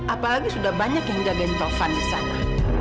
apalagi sudah banyak yang jagain tovan di sana